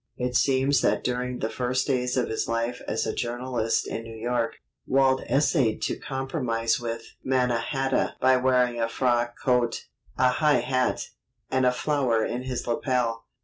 It seems that during the first days of his life as a journalist in New York, Walt essayed to compromise with Mannahatta by wearing a frock coat, a high hat, and a flower in his lapel.